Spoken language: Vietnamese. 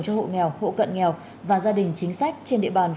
cho hộ nghèo hộ cận nghèo và gia đình chính sách trên địa bàn phường cần thơ